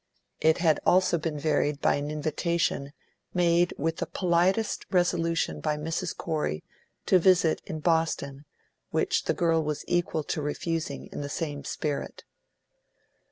It had also been varied by an invitation, made with the politest resolution by Mrs. Corey, to visit in Boston, which the girl was equal to refusing in the same spirit.